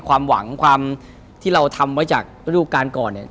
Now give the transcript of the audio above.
ความหวังความที่เราทำไว้จากฤดูการก่อนเนี่ย